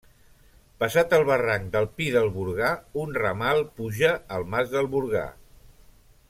Passat el barranc del Pi del Burgar, un ramal puja al Mas del Burgar.